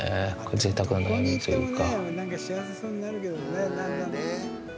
ぜいたくな悩みというか。